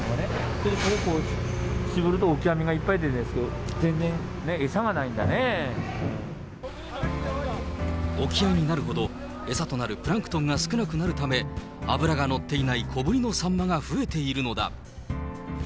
それでこう、しぼるとオキアミがいっぱい出てくるんですけど、全然、餌がない沖合になるほど餌となるプランクトンが少なくなるため、脂が乗っていない小ぶりのサンマが増えているのだ。